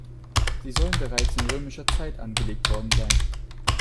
Sie sollen bereits in römischer Zeit angelegt worden sein.